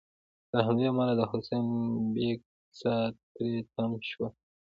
له همدې امله د حسین بېګ سا تری تم شوه.